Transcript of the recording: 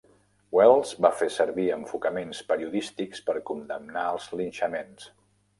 Wells va fer servir enfocaments periodístics per condemnar els linxaments.